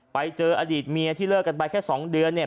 ไปเจออดีตเมียที่เลิกกันไปแค่๒เดือนเนี่ย